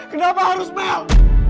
kenapa harus mel